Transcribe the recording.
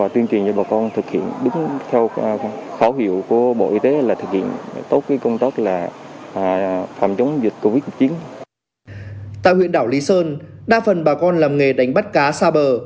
tại huyện đảo lý sơn đa phần bà con làm nghề đánh bắt cá xa bờ